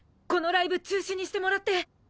このライブ中止にしてもらって！